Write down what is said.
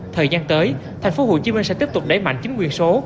thời gian tới thành phố hồ chí minh sẽ tiếp tục đẩy mạnh chính quyền số